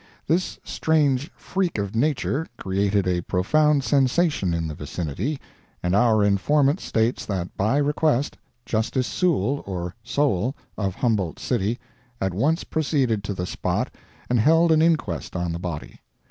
This strange freak of nature created a profound sensation in the vicinity, and our informant states that by request, Justice Sewell or Sowell, of Humboldt City, at once proceeded to the spot and held an inquest on the body.